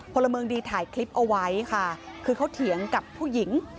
พลเมืองดีถ่ายคลิปเอาไว้ค่ะคือเขาเถียงกับผู้หญิง